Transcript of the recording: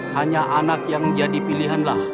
hanya anak yang jadi pilihanlah